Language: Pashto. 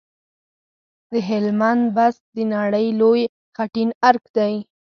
د هلمند بست د نړۍ لوی خټین ارک دی